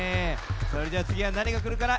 それじゃあつぎはなにがくるかな？